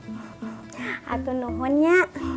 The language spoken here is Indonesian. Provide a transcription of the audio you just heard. ah aku nohonnya